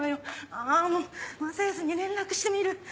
あもう正恭に連絡してみる。